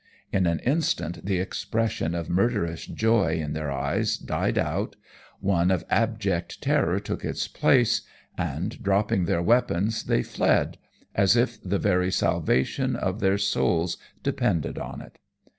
In an instant the expression of murderous joy in their eyes died out, one of abject terror took its place, and, dropping their weapons, they fled, as if the very salvation of their souls depended on it.